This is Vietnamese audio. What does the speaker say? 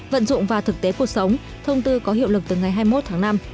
vận dụng và thực tế cuộc sống thông tư có hiệu lực từ ngày hai mươi một tháng năm